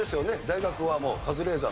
大学はもう。